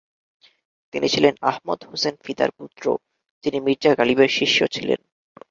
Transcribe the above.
তিনি ছিলেন আহমদ হোসেন ফিদার পুত্র, যিনি মির্জা গালিবের শিষ্য ছিলেন।